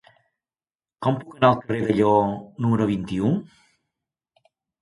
Com puc anar al carrer del Lleó número vint-i-u?